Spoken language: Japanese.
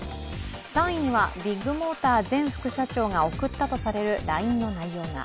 ３位にはビッグモーター前副社長が送ったとされるＬＩＮＥの内容が。